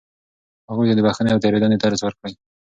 هغوی ته د بښنې او تېرېدنې درس ورکړئ.